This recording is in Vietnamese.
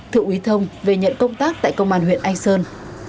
thự uy thông về nhận công tác tại công an huyện anh sơn